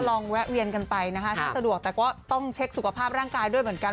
แวะเวียนกันไปนะคะถ้าสะดวกแต่ก็ต้องเช็คสุขภาพร่างกายด้วยเหมือนกัน